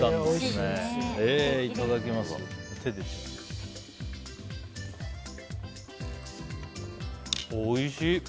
おいしい！